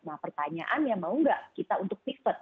nah pertanyaannya mau nggak kita untuk piket